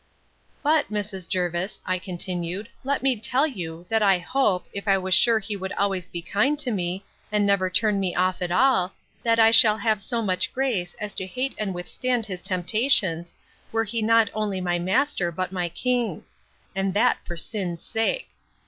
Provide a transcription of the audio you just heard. But, Mrs. Jervis, I continued, let me tell you, that I hope, if I was sure he would always be kind to me, and never turn me off at all, that I shall have so much grace, as to hate and withstand his temptations, were he not only my master, but my king: and that for the sin's sake.